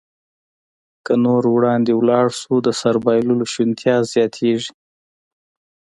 که نور وړاندې ولاړ شو، د سر بایللو شونتیا زیاتېږي.